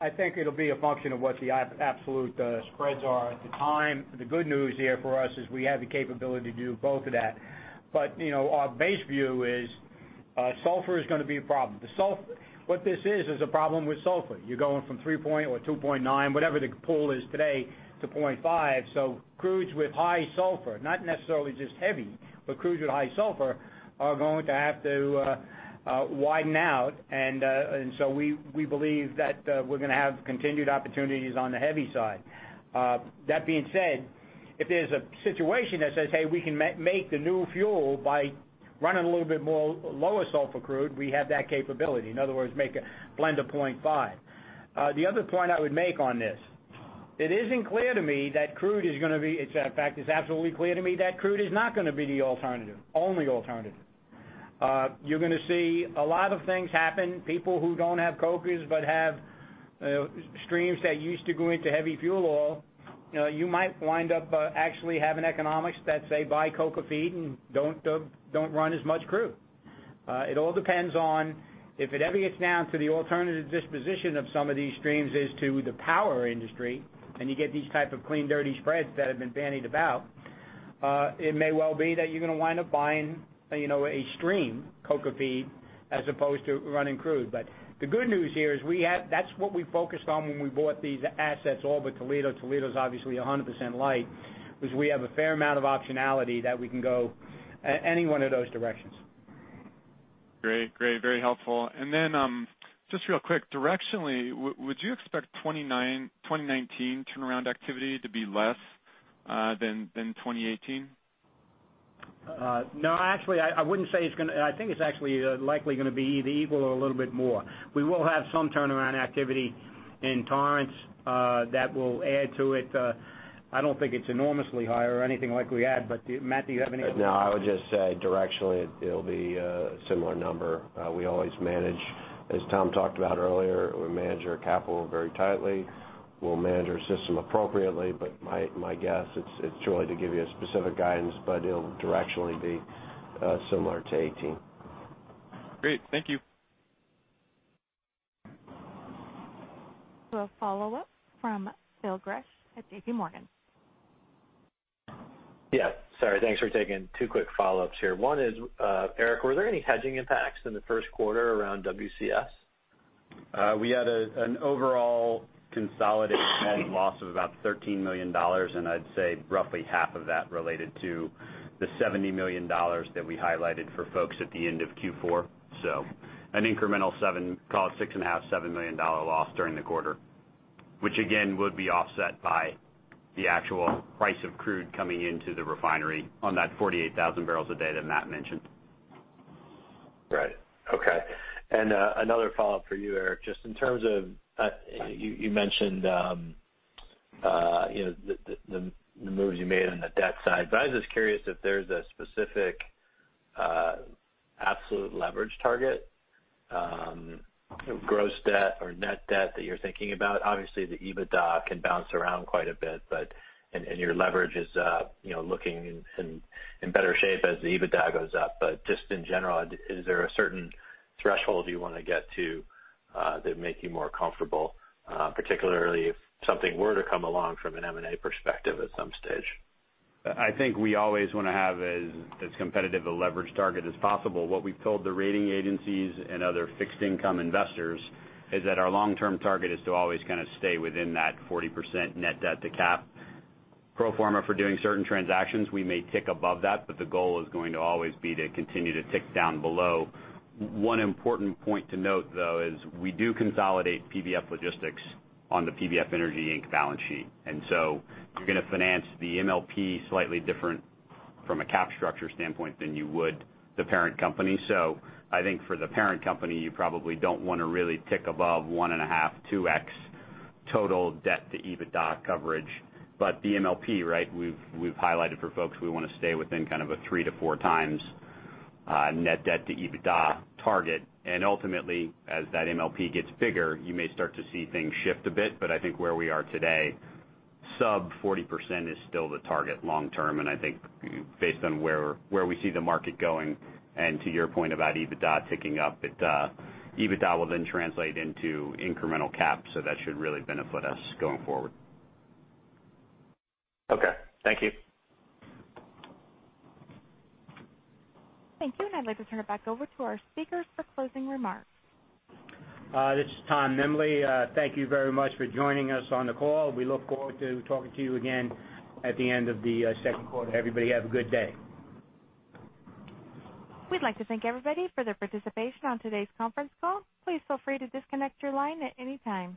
I think it'll be a function of what the absolute spreads are at the time. The good news here for us is we have the capability to do both of that. Our base view is, sulfur is going to be a problem. What this is a problem with sulfur. You're going from 3.0 or 2.9, whatever the pull is today, to 0.5. Crudes with high sulfur, not necessarily just heavy, but crudes with high sulfur are going to have to widen out. We believe that we're going to have continued opportunities on the heavy side. That being said, if there's a situation that says, "Hey, we can make the new fuel by running a little bit more lower sulfur crude," we have that capability. In other words, make a blend of 0.5. The other point I would make on this, it isn't clear to me that crude is going to be In fact, it's absolutely clear to me that crude is not going to be the alternative, only alternative. You're going to see a lot of things happen. People who don't have cokers but have streams that used to go into heavy fuel oil, you might wind up actually having economics that say, "Buy coker feed and don't run as much crude." It all depends on if it ever gets down to the alternative disposition of some of these streams as to the power industry, and you get these type of clean, dirty spreads that have been bandied about, it may well be that you're going to wind up buying a stream, coker feed, as opposed to running crude. The good news here is that's what we focused on when we bought these assets, all but Toledo. Toledo's obviously 100% light, because we have a fair amount of optionality that we can go any one of those directions. Great. Very helpful. Just real quick, directionally, would you expect 2019 turnaround activity to be less than 2018? No, actually, I wouldn't say it's actually likely gonna be either equal or a little bit more. We will have some turnaround activity in Torrance that will add to it. I don't think it's enormously high or anything like we had, but Matt, do you have anything? No, I would just say directionally, it'll be a similar number. We always manage, as Tom talked about earlier, we manage our capital very tightly. We'll manage our system appropriately, my guess, it's too early to give you a specific guidance, but it'll directionally be similar to 2018. Great. Thank you. We'll follow up from Phil Gresh at J.P. Morgan. Yeah. Sorry. Thanks for taking two quick follow-ups here. One is, Erik, were there any hedging impacts in the first quarter around WCS? We had an overall consolidated loss of about $13 million, I'd say roughly half of that related to the $70 million that we highlighted for folks at the end of Q4. An incremental seven, call it six and a half, $7 million loss during the quarter, which again, would be offset by the actual price of crude coming into the refinery on that 48,000 barrels a day that Matt mentioned. Right. Okay. Another follow-up for you, Erik. Just in terms of, you mentioned the moves you made on the debt side, I was just curious if there's a specific absolute leverage target, gross debt or net debt that you're thinking about. Obviously, the EBITDA can bounce around quite a bit. Your leverage is looking in better shape as the EBITDA goes up. Just in general, is there a certain threshold you want to get to that would make you more comfortable, particularly if something were to come along from an M&A perspective at some stage? I think we always want to have as competitive a leverage target as possible. What we've told the rating agencies and other fixed income investors is that our long-term target is to always kind of stay within that 40% net debt to cap. Pro forma for doing certain transactions, we may tick above that, the goal is going to always be to continue to tick down below. One important point to note, though, is we do consolidate PBF Logistics on the PBF Energy Inc. balance sheet, you're going to finance the MLP slightly different from a cap structure standpoint than you would the parent company. I think for the parent company, you probably don't want to really tick above 1.5, 2x total debt to EBITDA coverage. The MLP, right, we've highlighted for folks, we want to stay within kind of a 3 to 4 times net debt to EBITDA target. Ultimately, as that MLP gets bigger, you may start to see things shift a bit. I think where we are today, sub 40% is still the target long term, I think based on where we see the market going, to your point about EBITDA ticking up, EBITDA will then translate into incremental cap, that should really benefit us going forward. Okay. Thank you. Thank you. I'd like to turn it back over to our speakers for closing remarks. This is Tom Nimbley. Thank you very much for joining us on the call. We look forward to talking to you again at the end of the second quarter. Everybody have a good day. We'd like to thank everybody for their participation on today's conference call. Please feel free to disconnect your line at any time.